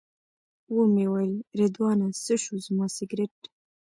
ومې ویل رضوانه څه شو زما سګرټ.